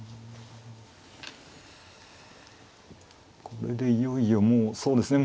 これでいよいよもうそうですね